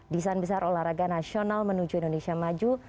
desain besar olahraga nasional menuju indonesia maju